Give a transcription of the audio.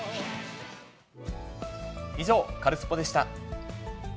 以上、カルスポっ！でした。